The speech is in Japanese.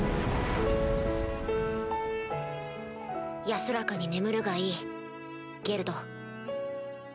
安らかに眠るがいいゲルド。